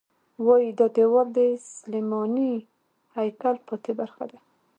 وایي دا دیوال د سلیماني هیکل پاتې برخه ده.